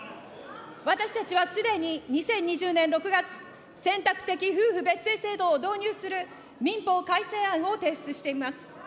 私たちはすでに、２０２０年６月、選択的夫婦別姓制度を導入する民法改正案を提出しています。